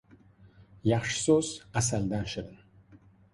• Yaxshi so‘z — asaldan shirin.